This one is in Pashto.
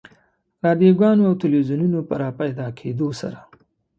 رادیوګانو او تلویزیونونو په راپیدا کېدو سره.